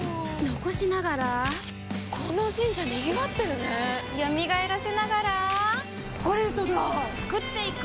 残しながらこの神社賑わってるね蘇らせながらコレドだ創っていく！